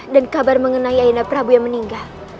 dan kabar mengenai ayah anda prabu yang meninggal